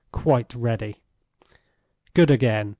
"Quite ready." "Good again.